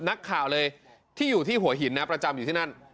นักข่าวเลยที่อยู่ที่หัวหินนะประจำอยู่ที่นั่น